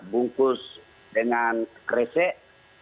bungkus dengan kresek